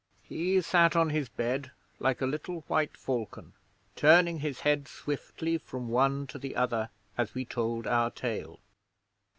He sat on his bed like a little white falcon, turning his head swiftly from one to the other as we told our tale.